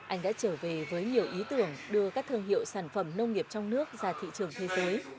anh đã trở về với nhiều ý tưởng đưa các thương hiệu sản phẩm nông nghiệp trong nước ra thị trường thế giới